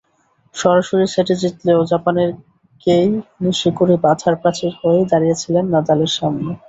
সরাসরি সেটে জিতলেও জাপানের কেই নিশিকোরি বাধার প্রাচীর হয়েই দাঁড়িয়েছিলেন নাদালের সামনে।